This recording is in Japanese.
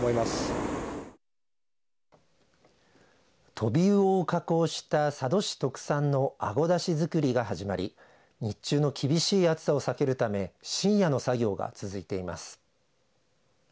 トビウオを加工した佐渡市特産のあごだし作りが始まり日中の厳しい暑さを避けるため深夜の作業が続いています。